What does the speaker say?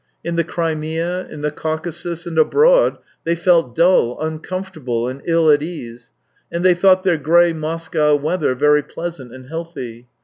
In the Crimea, in the Caucasus, and abroad, they felt dull, uncomfortable, and ill at ease, and they thought their grey Moscow weather very pleasant and healthy.